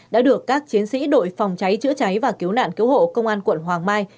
đã được các chiến sĩ đội phòng cháy chữa cháy và cứu nạn cứu hộ công an quận hoàng mai